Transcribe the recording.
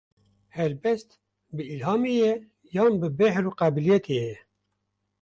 Helbest, bi îlhamê ye yan bi behr û qabîliyetê ye?